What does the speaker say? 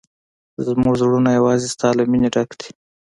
زموږ زړونه یوازې ستا له مینې ډک دي.